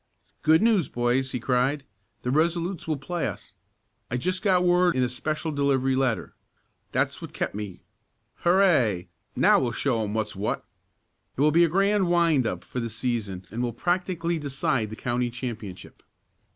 "Good news, boys!" he cried. "The Resolutes will play us. I just got word in a special delivery letter. That's what kept me. Hurray! Now we'll show 'em what's what. It will be a grand wind up for the season and will practically decide the county championship."